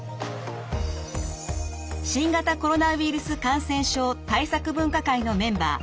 新型コロナウイルス感染症対策分科会のメンバー